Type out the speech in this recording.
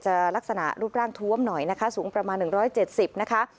จะลักษณะรูปร่างท้วมหน่อยนะคะสูงประมาณหนึ่งร้อยเจ็ดสิบนะคะ